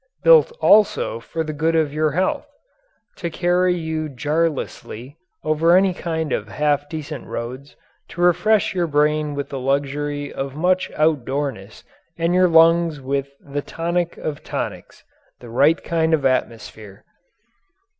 Built also for the good of your health to carry you "jarlessly" over any kind of half decent roads, to refresh your brain with the luxury of much "out doorness" and your lungs with the "tonic of tonics" the right kind of atmosphere.